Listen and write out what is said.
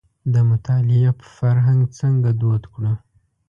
د مطالعې فرهنګ څنګه دود کړو.